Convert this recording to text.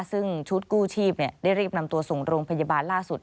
ซึ่งชุดกู้ชีพได้รีบนำตัวส่งโรงพยาบาลล่าสุด